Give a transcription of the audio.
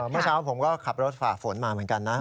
เมื่อเช้าผมก็ขับรถฝ่าฝนมาเหมือนกันนะ